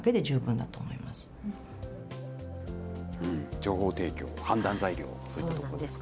情報提供、判断材料、そういったところですね。